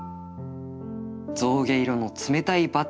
象牙色の冷たいバターを一切れ